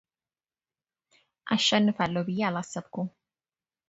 አሸንፋለሁ ብዬ አላሰብኩም።